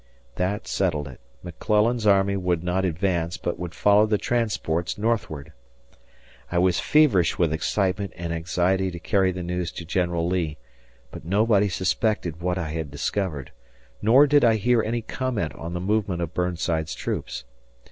That settled it McClellan's army would not advance, but would follow the transports northward. I was feverish with excitement and anxiety to carry the news to General Lee, but nobody suspected what I had discovered, nor did I hear any comment on the movement of Burnside's troops.